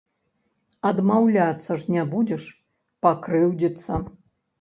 Адмаўляцца ж не будзеш, пакрыўдзіцца.